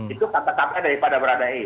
itu kata kata daripada berada e